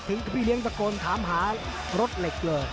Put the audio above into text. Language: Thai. พี่เลี้ยงตะโกนถามหารถเหล็กเลย